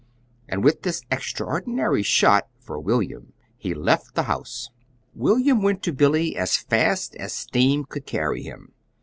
And with this extraordinary shot for William he left the house. William went to Billy as fast as steam could carry him.